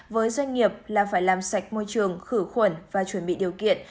với doanh nghiệp là phải làm sạch môi trường khử khuẩn và chuẩn bị điều kiện